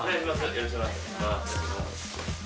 よろしくお願いします